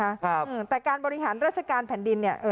ครับแต่การบริหารราชการแผ่นดินเนี่ยเออ